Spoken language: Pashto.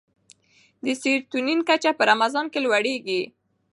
د سیرټونین کچه په رمضان کې لوړېږي.